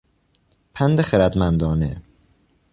پند خردمندانه